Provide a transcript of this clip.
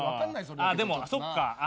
でもそっか。